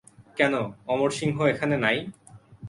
কেন, অমরসিংহ এখানে নাই?